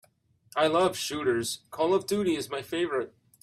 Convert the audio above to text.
I love shooters, Call of Duty is my favorite.